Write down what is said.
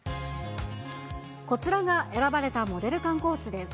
こちらが選ばれたモデル観光地です。